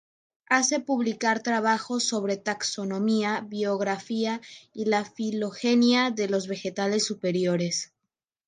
Hace publicar trabajos sobre taxonomía, biogeografía y la filogenia de los vegetales superiores.